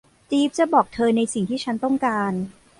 จีฟส์จะบอกเธอในสิ่งที่ฉันต้องการ